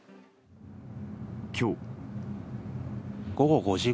今日。